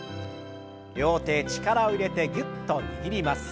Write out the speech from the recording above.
両手力を入れてぎゅっと握ります。